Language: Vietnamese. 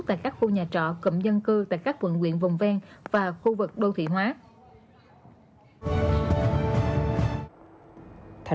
tại các khu nhà trọ cụm dân cư tại các quận quyện vùng ven và khu vực đô thị hóa